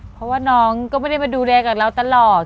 เพราะว่าน้องก็ไม่ได้มาดูแลกับเราตลอด